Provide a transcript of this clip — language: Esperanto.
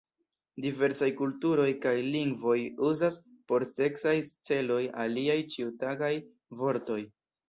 Diversaj kulturoj kaj lingvoj uzas por seksaj celoj aliaj ĉiutagaj vortoj.